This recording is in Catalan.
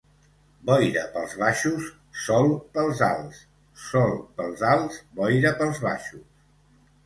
Boira pels baixos, sol pels alts; sol pels alts, boira pels baixos.